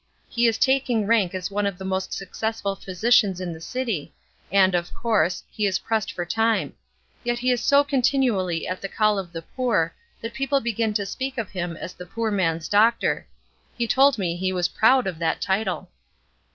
He is taking rank as one of the most successful physicians in the city, and, of course, he is pressed for time; yet he is so continually at the call of the poor that people begin to speak of him as the poor man's doctor. He told me he was proud of that title."